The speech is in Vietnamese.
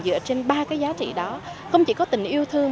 dựa trên ba cái giá trị đó không chỉ có tình yêu thương